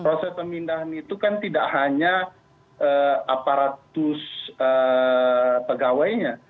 proses pemindahan itu kan tidak hanya aparatus pegawainya